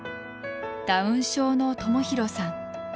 ダウン症の智大さん。